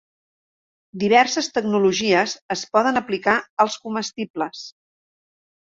Diverses tecnologies es poden aplicar als comestibles.